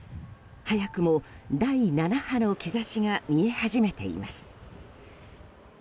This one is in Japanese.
早くも第７波の兆しが見え始めています。